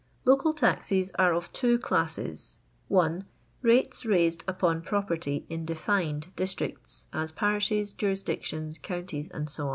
Local taxes are of two classes :— I. Kates raised upon property in defined dis tricts, as parishes, jurisdictions, counties, &c. II.